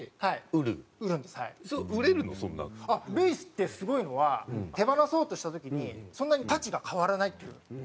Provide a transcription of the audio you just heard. Ｌｅｗｉｓってすごいのは手放そうとした時にそんなに価値が変わらないっていう。